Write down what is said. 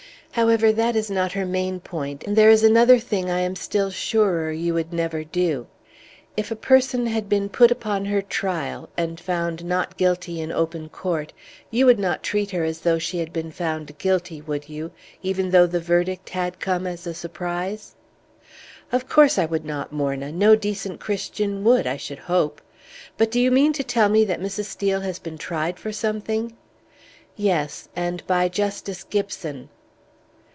However, that is not her main point, and there is another thing I am still surer you would never do. If a person had been put upon her trial, and found not guilty in open court, you would not treat her as though she had been found guilty, would you even though the verdict had come as a surprise?" "Of course I would not, Morna; no decent Christian would, I should hope! But do you mean to tell me that Mrs. Steel has been tried for something?" "Yes; and by Justice Gibson!"